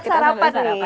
kita sarapan ya